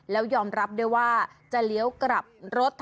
แล้วยอมรับด้วยว่าจะเลี้ยวกลับรถ